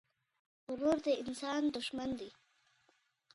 غرور د انسان دښمن دی.